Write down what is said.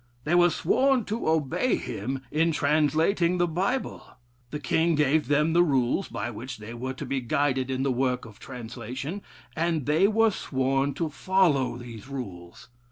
They were sworn to obey him in translating the Bible. The king gave them the rules by which they were to be guided in the work of translation, and they were sworn to follow these rules.